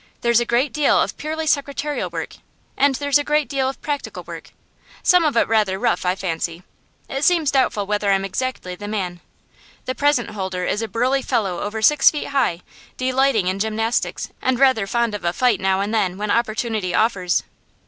There's a great deal of purely secretarial work, and there's a great deal of practical work, some of it rather rough, I fancy. It seems doubtful whether I am exactly the man. The present holder is a burly fellow over six feet high, delighting in gymnastics, and rather fond of a fight now and then when opportunity offers.